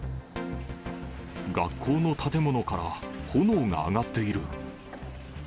学校の建物から炎が上がっている。